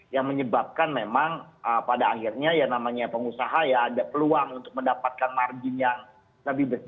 yang menyebabkan memang pada akhirnya yang namanya pengusaha ya ada peluang untuk mendapatkan margin yang lebih besar